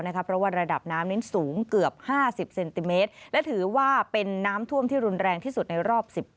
เพราะว่าระดับน้ำนี้สูงเกือบ๕๐เซนติเมตร